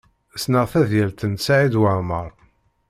Ssneɣ tadyalt n Saɛid Waɛmaṛ.